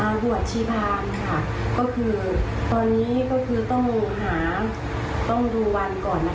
บวชชีพรามค่ะก็คือตอนนี้ก็คือต้องหาต้องดูวันก่อนนะคะ